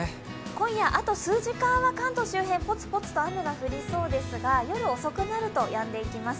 今夜あと数時間は関東周辺ぽつぽつと雨が降りそうですが夜遅くなるとやんでいきます。